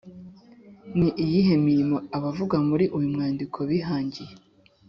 ni iyihe mirimo abavugwa muri uyu mwandiko bihangiye’